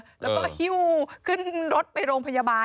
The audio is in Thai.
แล้วก็หิ้วขึ้นรถไปโรงพยาบาล